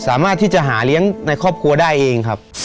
สามารถที่จะหาเลี้ยงในครอบครัวได้เองครับ